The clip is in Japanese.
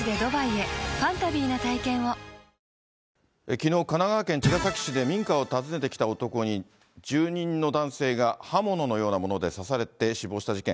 きのう、神奈川県茅ヶ崎市で、民家を訪ねてきた男に住人の男性が刃物のようなもので刺されて死亡した事件。